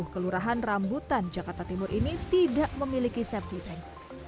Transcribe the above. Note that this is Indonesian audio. kelurahan rambutan jakarta timur ini tidak memiliki safety tank